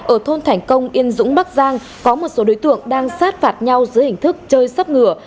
ở thôn thành công yên dũng bắc giang có một số đối tượng đang sát phạt nhau dưới hình thức chơi sắp ngửa